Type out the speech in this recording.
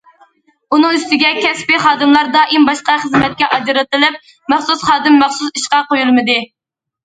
ئۇنىڭ ئۈستىگە كەسپىي خادىملار دائىم باشقا خىزمەتكە ئاجرىتىلىپ، مەخسۇس خادىم مەخسۇس ئىشقا قويۇلمىدى.